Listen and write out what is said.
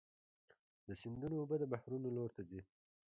د سیندونو اوبه د بحرونو لور ته ځي.